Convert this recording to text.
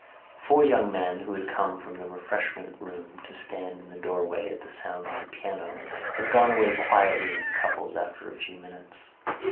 Four young men, who had come from the refreshment room to stand in the doorway at the sound of the piano, had gone away quietly in couples after a few minutes.